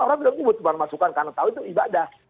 orang bilang bukan masukkan karena tahu itu ibadah